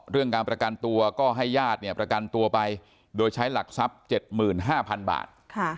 เรื่องการประกันตัวก็ให้ญาติประกันตัวไปโดยใช้หลักทรัพย์๗๕๐๐๐บาท